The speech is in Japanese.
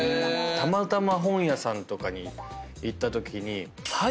たまたま本屋さんとかに行ったときに。